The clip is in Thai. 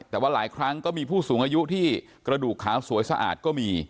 แต่ว่าหลายครั้งก็มีผู้สูงอายุที่กระดูกขาวสวยสะอาดก็มี